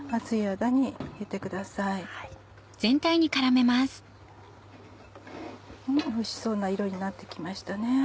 おいしそうな色になって来ましたね。